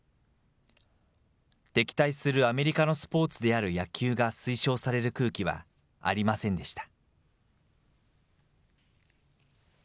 敵対するアメリカのスポーツである野球が推奨される空気はありませんでした。